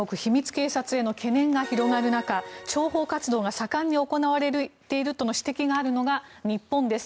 警察への懸念が広がる中諜報活動が盛んに行われているとの指摘があるのが日本です。